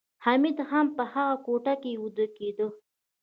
حمید هم په هغه کوټه کې ویده کېده